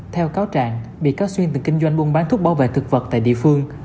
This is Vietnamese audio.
theo cáo trạng bị cáo xuyên tự kinh doanh buôn bán thuốc bảo vệ thực vật tại địa phương